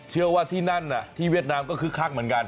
เชื่อว่าที่นั่นที่เวียดนามก็คึกคักเหมือนกัน